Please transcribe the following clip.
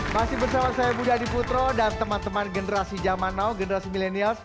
masih bersama saya budi adiputro dan teman teman generasi zaman now generasi milenials